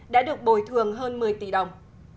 đã được bồi thường hơn một mươi tỷ đồng